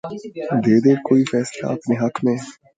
دے دے کوئی فیصلہ اپنے حق میں